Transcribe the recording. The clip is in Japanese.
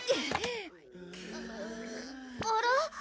あら？